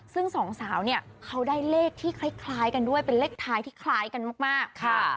ซึ่งสองสาวเนี่ยเขาได้เลขที่คล้ายกันด้วยเป็นเลขท้ายที่คล้ายกันมากค่ะ